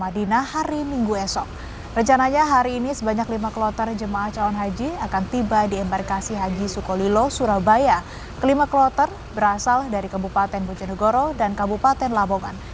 dari kabupaten bojonegoro dan kabupaten labongan